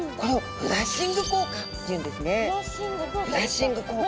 フラッシング効果ですか。